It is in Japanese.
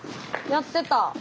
やってた！